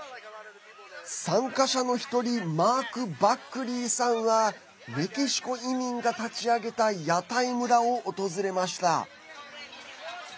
参加者の１人マーク・バックリーさんはメキシコ移民が立ち上げた屋台村を訪れました。